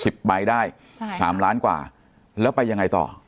ใบได้ใช่สามล้านกว่าแล้วไปยังไงต่อ